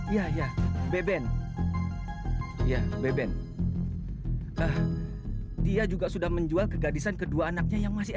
ya ya beben ya beben ah dia juga sudah menjual ke gadisan kedua anaknya yang masih